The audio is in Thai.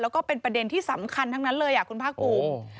แล้วก็เป็นประเด็นที่สำคัญทั้งนั้นเลยคุณภาคภูมิ